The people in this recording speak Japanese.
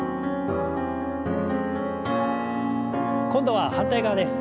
今度は反対側です。